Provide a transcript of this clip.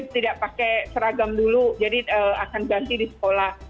tidak pakai seragam dulu jadi akan ganti di sekolah